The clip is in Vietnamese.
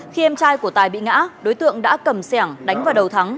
khi em trai của tài bị ngã đối tượng đã cầm sẻng đánh vào đầu thắng